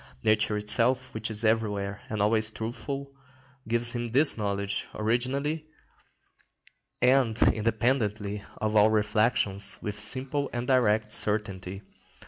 Nature itself, which is everywhere and always truthful, gives him this knowledge, originally and independently of all reflection, with simple and direct certainty.